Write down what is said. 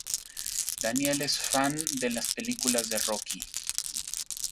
Daniel es fan de las películas de Rocky.